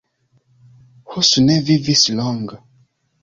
Hus ne vivis longe.